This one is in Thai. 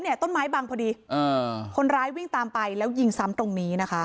ต้นไม้บังพอดีคนร้ายวิ่งตามไปแล้วยิงซ้ำตรงนี้นะคะ